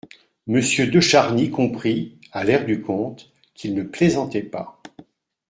Monsieur de Charny comprit, à l'air du comte, qu'il ne plaisantait pas.